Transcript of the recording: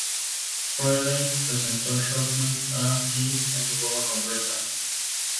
Frehley presentó "Shock Me" a Kiss en su forma completa.